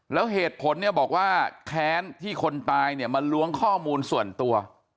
แล้วเหตุผลเนี่ยบอกว่าแค้นที่คนตายเนี่ยมาล้วงข้อมูลส่วนตัว